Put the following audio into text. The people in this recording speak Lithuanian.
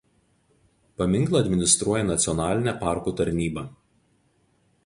Paminklą administruoja Nacionalinė parkų tarnyba.